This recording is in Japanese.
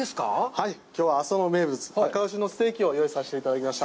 はい、きょうは、阿蘇の名物、あか牛のステーキをご用意いたしました。